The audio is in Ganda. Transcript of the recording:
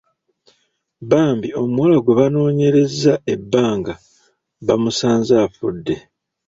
Bambi omuwala gwe banoonyerezza ebbanga bamusanze afudde.